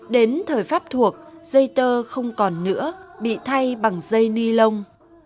đến thời pháp thuộc dây tơ không còn nữa bị thay bằng dây ni lông